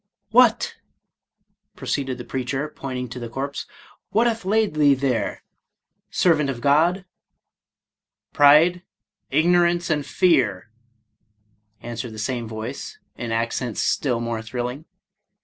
" What," proceeded the preacher, point ing to the corse, "Ivhat hath laid thee there, servant of God ?"—" Pride, ignorance, and fear," answered the same 179 Irish Mystery Stories voice, in accents still more thrilling.